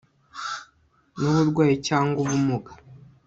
n uburwayi cyangwa ubumuga